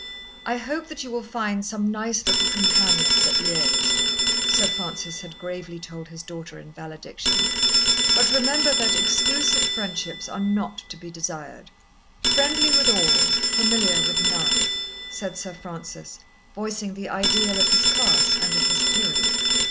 "I hope that you will find some nice little companions at Liège," Sir Francis had gravely told his daughter in valediction, "but remember that exclusive friendships are not to be desired. Friendly with all, familiar with none," said Sir Francis, voicing the ideal of his class and of his period.